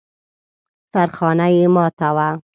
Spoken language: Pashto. سرخانه يې ماته وه.